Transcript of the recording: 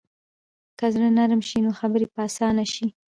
که زړه نرمه شي، نو خبرې به اسانه شي.